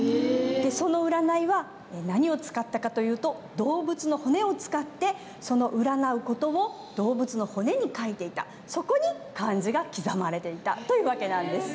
その占いは何を使ったかというと動物の骨を使って占う事を動物の骨に書いていたそこに漢字が刻まれていたという訳なんです。